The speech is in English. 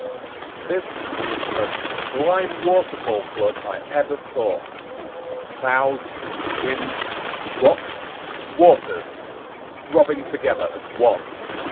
This was the most sublime waterfall flood I ever saw—clouds, winds, rocks, waters, throbbing together as one.